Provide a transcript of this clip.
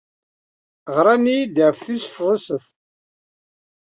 Ɣran-iyi-d ɣef tis sḍiset.